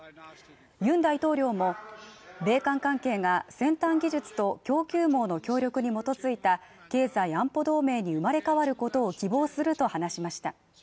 ユン大統領も米韓関係が先端技術と供給網の協力に基づいた経済安保同盟に生まれ変わることを希望すると話しました。